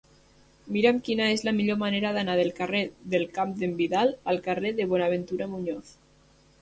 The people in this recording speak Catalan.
Mira'm quina és la millor manera d'anar del carrer del Camp d'en Vidal al carrer de Buenaventura Muñoz.